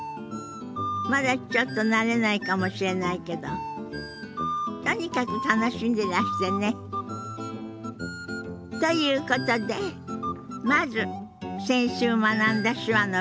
まだちょっと慣れないかもしれないけどとにかく楽しんでらしてね。ということでまず先週学んだ手話の復習から始めましょう。